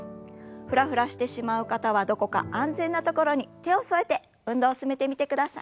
フラフラしてしまう方はどこか安全な所に手を添えて運動を進めてみてください。